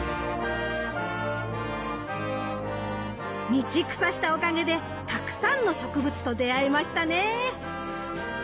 道草したおかげでたくさんの植物と出会えましたね。